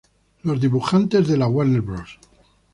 Los dibujantes de la Warner Bros.